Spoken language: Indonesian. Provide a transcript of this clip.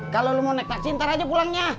kalau lo mau naik taksi ntar aja pulangnya